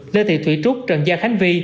lê thị thủy trúc trần giang khánh vi